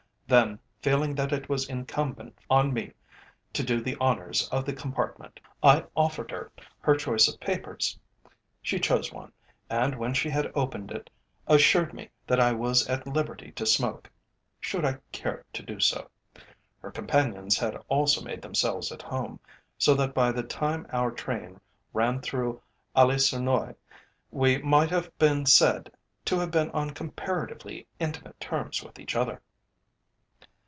Then, feeling that it was incumbent on me to do the honours of the compartment, I offered her her choice of papers. She chose one, and, when she had opened it, assured me that I was at liberty to smoke, should I care to do so. Her companions had also made themselves at home, so that by the time our train ran through Ailly sur Noye we might have been said to have been on comparatively intimate terms with each other.